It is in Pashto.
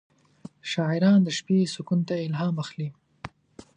شاعران د شپې سکون ته الهام اخلي.